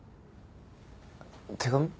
手紙？